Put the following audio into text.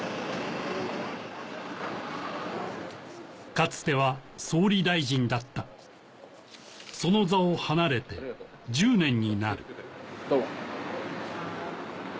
かつては総理大臣だったその座を離れて１０年になるどうも。